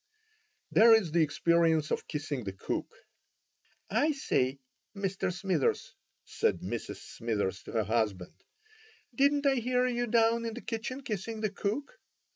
There is the experience of kissing the cook. "I say, Mr. Smithers," said Mrs. Smithers to her husband, "didn't I hear you down in the kitchen kissing the cook?"